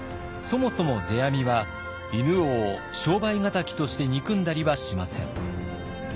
そもそも世阿弥は犬王を商売敵として憎んだりはしません。